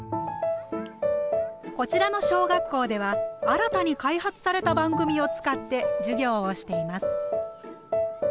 こちらの小学校では新たに開発された番組を使って授業をしています。